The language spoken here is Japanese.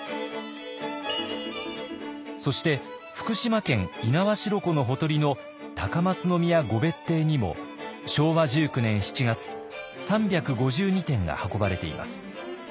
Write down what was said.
そして福島県猪苗代湖のほとりの高松宮御別邸にも昭和１９年７月３５２点が運ばれています。